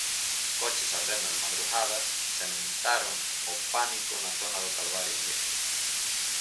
Coches ardendo de madrugada sementaron o pánico na zona do Calvario en Vigo.